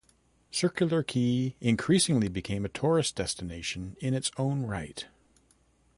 Circular Quay increasingly became a tourist destination in its own right.